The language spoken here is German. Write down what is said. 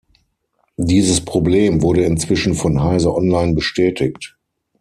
Dieses Problem wurde inzwischen von heise Online bestätigt.